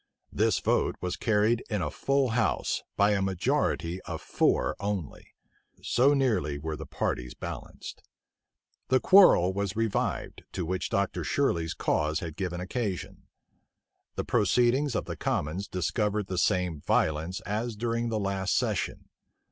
[*] This vote was carried in a full house, by a majority of four only: so nearly were the parties balanced. The quarrel was revived, to which Dr. Shirley's cause had given occasion. The proceedings of the commons discovered the same violence as during the last session.